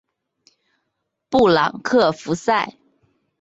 布朗克福塞。